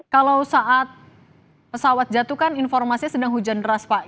kalau saat pesawat jatuh kan informasinya sedang hujan deras pak